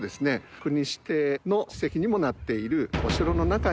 国指定の史跡にもなっている。